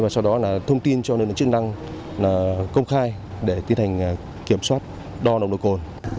sau đó là thông tin cho lực lượng chức năng công khai để tiến hành kiểm soát đo nồng độ cồn